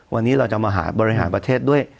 วันนี้เราจะมาบริหารประเทศด้วย